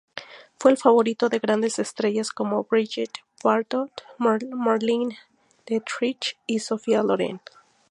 Fue el favorito de grandes estrellas, como Brigitte Bardot, Marlene Dietrich y Sofía Loren.